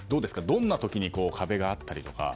どんな時に壁があったりとか。